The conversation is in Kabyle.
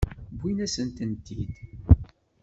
Wwin-asent-tent-id.